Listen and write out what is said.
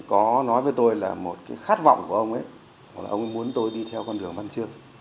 có nói với tôi là một khát vọng của ông ấy ông ấy muốn tôi đi theo con đường văn trương